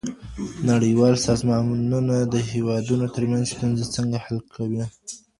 نړيوال سازمانونه د هېوادونو ترمنځ ستونزې څنګه حل کوي؟